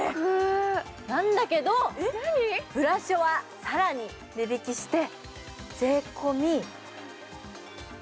なんだけど、ブラショは更に値引きして。